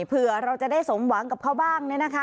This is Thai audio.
เผื่อเราจะได้สมหวังกับเขาบ้างเนี่ยนะคะ